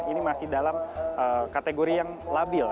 ini masih dalam kategori yang labil